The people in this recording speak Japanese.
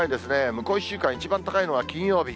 向こう１週間、一番高いのは金曜日。